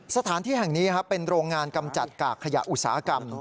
สถานที่แห่งนี้เป็นโรงงานกำจัดกากขยะอุตสาหกรรม